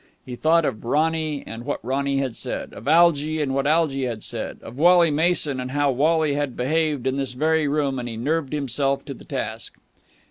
He thought of Ronny and what Ronny had said, of Algy and what Algy had said, of Wally Mason and how Wally had behaved in this very room; and he nerved himself to the task.